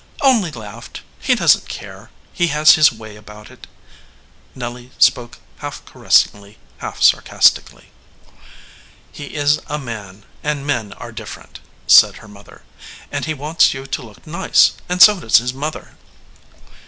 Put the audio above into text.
"Only laughed. He doesn t care. He has his way about it." Nelly spoke half caressingly, half sarcastically. "He is a man, and men are different," said her mother. "And he wants you to look nice, and so does his mother."